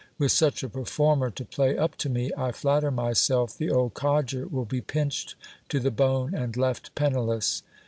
With such a performer to play up to me, I flatter myself the old codger will be pinched to the bone and left penniless.